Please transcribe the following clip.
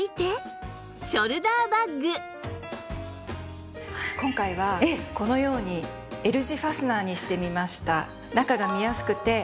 続いて今回はこのように Ｌ 字ファスナーにしてみました。